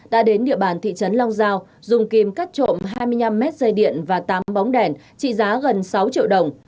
đã đến địa bàn thị trấn long giao dùng kim cắt trộm hai mươi năm mét dây điện và tám bóng đèn trị giá gần sáu triệu đồng